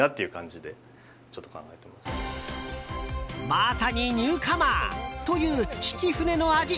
まさにニューカマー！という曳舟の味。